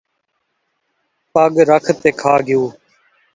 اللہ حاکم حکیم کنوں بچاوی